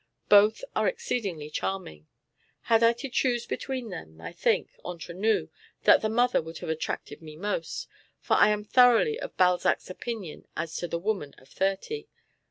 Both are exceedingly charming. Had I to choose between them, I think, entre nous, that the mother would have attracted me most, for I am thoroughly of Balzac's opinion as to the woman of thirty.